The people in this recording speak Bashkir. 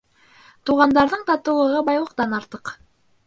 Туғандарҙың татыулығы байлыҡтан артыҡ.